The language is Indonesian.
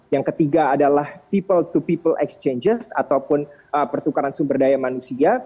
yang ketiga adalah people to people exchanges ataupun pertukaran sumber daya manusia